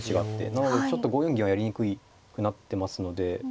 なのでちょっと５四銀はやりにくくなってますので。